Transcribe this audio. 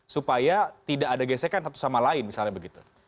supaya tidak ada gesekan satu sama lain misalnya begitu